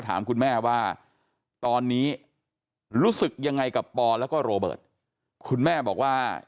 ถามคุณแม่ว่าตอนนี้รู้สึกยังไงกับปอแล้วก็โรเบิร์ตคุณแม่บอกว่า